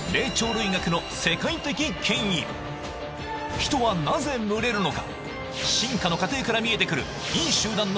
人はなぜ群れるのか？